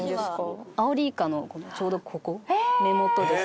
アオリイカのちょうどここ目元です。